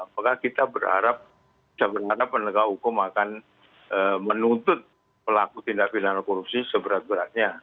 maka kita berharap kita berharap penegak hukum akan menuntut pelaku tindak pidana korupsi seberat beratnya